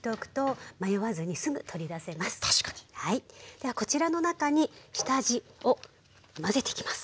ではこちらの中に下味を混ぜていきます。